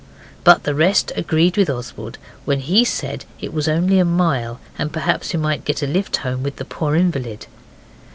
But the rest agreed with Oswald when he said it was only a mile, and perhaps we might get a lift home with the poor invalid.